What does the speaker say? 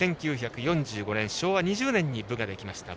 １９４５年、昭和２０年に部ができました。